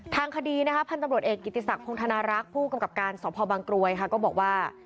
ทางคดีนะคะพันธุ์ตำรวจเอกกิติศักดิพงธนารักษ์ผู้กำกับการสพบังกรวยค่ะก็บอกว่า